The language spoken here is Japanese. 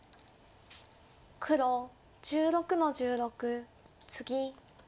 黒１６の十六ツギ。